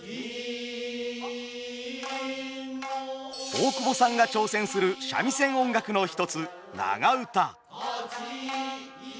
大久保さんが挑戦する三味線音楽の一つ「長唄」。